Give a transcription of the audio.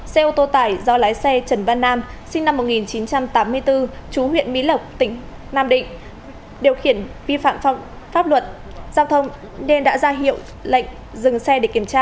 xe ô tô tải do lái xe trần văn nam sinh năm một nghìn chín trăm tám mươi bốn chú huyện mỹ lộc tỉnh nam định điều khiển vi phạm pháp luật giao thông nên đã ra hiệu lệnh dừng xe để kiểm tra